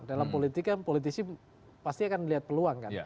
dalam politik kan politisi pasti akan melihat peluang kan